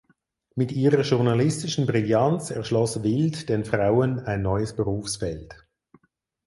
Mit ihrer journalistischen Brillanz erschloss Wild den Frauen ein neues Berufsfeld.